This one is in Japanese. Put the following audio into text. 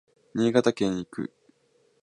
新潟県へ行く